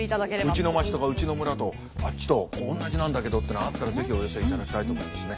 うちの町とかうちの村とあっちと同じなんだけどってのがあったら是非お寄せいただきたいと思いますね。